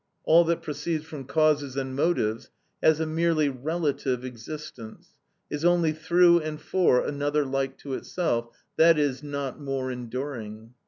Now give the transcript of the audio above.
_, all that proceeds from causes and motives, has a merely relative existence, is only through and for another like to itself, i.e., not more enduring.